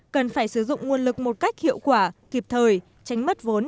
cần phải sử dụng nguồn lực một cách hiệu quả kịp thời tránh mất vốn